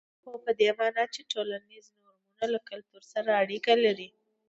هو په دې معنا چې ټولنیز نورمونه له کلتور سره اړیکه لري.